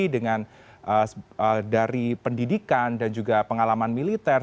dengan dari pendidikan dan juga pengalaman militer